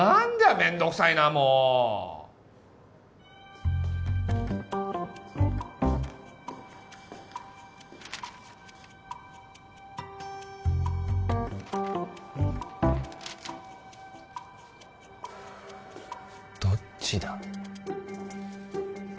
めんどくさいなあもうどっちだ？